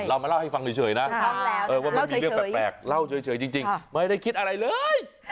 ว่าไม่มีเรื่องแปลกเล่าเฉยจริงไม่ได้คิดอะไรเลย